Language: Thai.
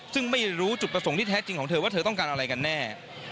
ซึ่งไม่รู้จุดประสงค์ที่แท้จริงของเธอว่าเธอต้องการอะไรกันแน่